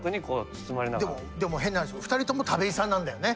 でも変な話２人とも田部井さんなんだよね。